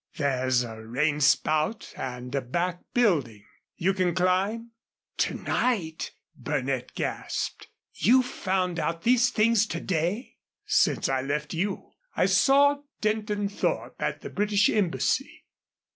There's a rain spout and a back building. You can climb?" "To night?" Burnett gasped. "You found out these things to day?" "Since I left you. I saw Denton Thorpe at the British embassy."